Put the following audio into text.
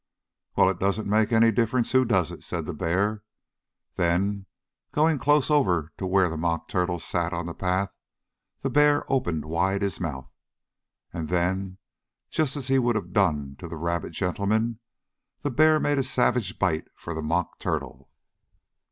"Well, it doesn't make any difference who does it," said the bear. Then, going close over to where the Mock Turtle sat on the path, the bear opened wide his mouth. And then, just as he would have done to the rabbit gentleman, the bear made a savage bite for the Mock Turtle.